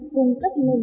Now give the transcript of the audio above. cung cấp lên